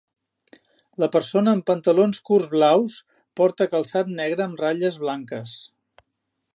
La persona amb pantalons curts blaus porta calçat negre amb ratlles blanques.